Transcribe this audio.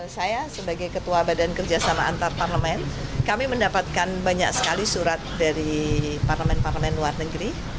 saya sebagai ketua badan kerjasama antarparlemen kami mendapatkan banyak sekali surat dari parlemen parlemen luar negeri